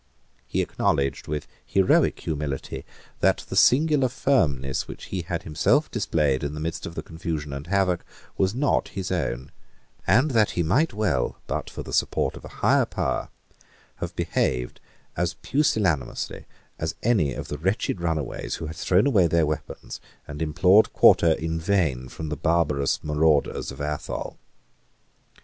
He acknowledged with heroic humility that the singular firmness which he had himself displayed in the midst of the confusion and havoc was not his own, and that he might well, but for the support of a higher power, have behaved as pusillanimously as any of the wretched runaways who had thrown away their weapons and implored quarter in vain from the barbarous marauders of Athol.